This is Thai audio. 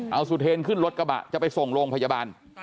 เอาสุเทนขึ้นรถกระบะจะไปส่งโรงพยาบาล